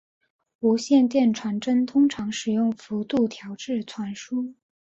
无线电传真通常使用幅度调制传输。